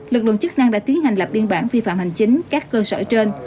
lực lượng chức năng đã tiến hành lập biên bản vi phạm hành chính các cơ sở trên